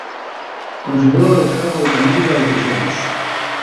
Configura la descarga automática d'episodios.